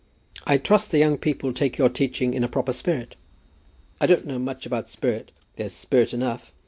"I trust the young people take your teaching in a proper spirit." "I don't know much about spirit. There's spirit enough.